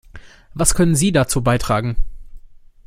Was können Sie dazu beitragen?